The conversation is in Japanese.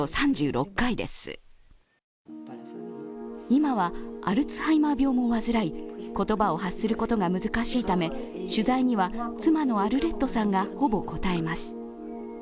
今はアルツハイマー病も患い言葉を発することが難しいため取材には妻のアルレットさんがほぼ答えます。